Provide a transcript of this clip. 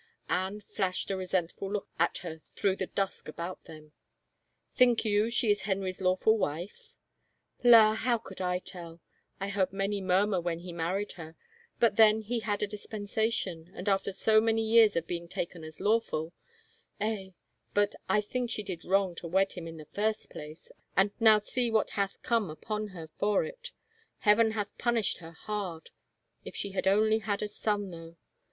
Anne flashed a resentful look at her through the dusk about them. " Think you she is Henry's lawful wife ?"" La, how should I tell ? I heard many murmur when he married her, but then he had a dispensation — and after so many years of being taken as lawful — Eh, but I think she did wrong to wed him in the first place, and now see what hath come upon her for it I Heaven hath punished her hard. If she had only had a son, though.